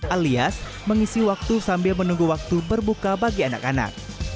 alias mengisi waktu sambil menunggu waktu berbuka bagi anak anak